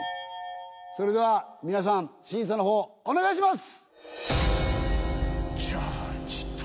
それでは皆さん審査の方お願いします。